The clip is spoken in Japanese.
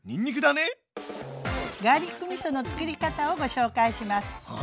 ガーリックみそのつくり方をご紹介します。